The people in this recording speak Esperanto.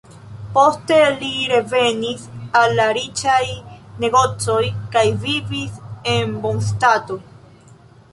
Poste li revenis al la riĉaj negocoj kaj vivis en bonstato.